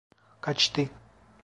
Kaçtı.